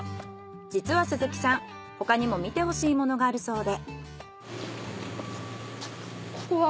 実は鈴木さん他にも見てほしいものがあるそうで。